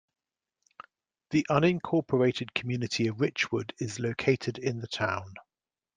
The unincorporated community of Richwood is located in the town.